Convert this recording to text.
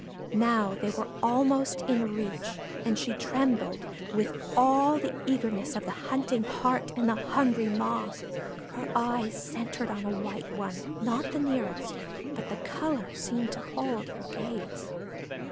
Now they were almost in reach, and she trembled with all the eagerness of the hunting heart and the hungry maw. Her eye centred on a white one not quite the nearest, but the color seemed to hold her gaze.